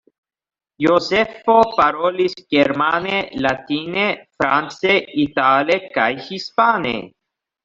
Jozefo parolis germane, latine, france, itale kaj hispane.